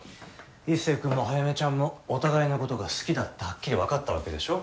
壱成君も早梅ちゃんもお互いのことが好きだってはっきり分かったわけでしょ？